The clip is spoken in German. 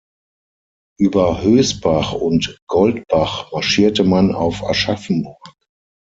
Über Hösbach und Goldbach marschierte man auf Aschaffenburg.